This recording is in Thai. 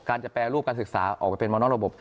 จะแปรรูปการศึกษาออกไปเป็นมนอกระบบ